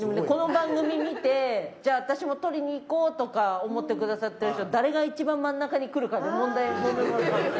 この番組見て「じゃあ私も撮りに行こう」とか思ってくださってる人誰が一番真ん中に来るかで問題。